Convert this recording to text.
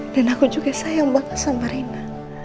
dan aku juga sayang banget sama raina